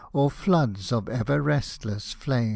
Or floods of ever restless flame.